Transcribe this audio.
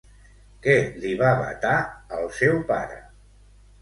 Què li va vetar el seu pare?